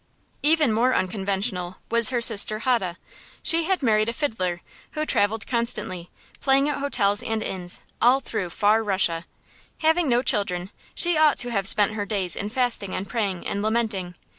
Even more unconventional was her sister Hode. She had married a fiddler, who travelled constantly, playing at hotels and inns, all through "far Russia." Having no children, she ought to have spent her days in fasting and praying and lamenting.